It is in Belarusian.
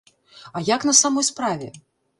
А як на самой справе?